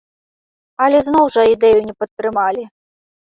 Але зноў жа ідэю не падтрымалі.